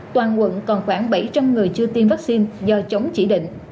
toàn quận còn khoảng bảy trăm linh người chưa tiêm vaccine do chống chỉ định